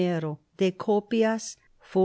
de copias, fol.